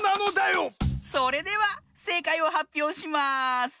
それではせいかいをはっぴょうします。